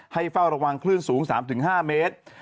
เฝ้าระวังคลื่นสูง๓๕เมตร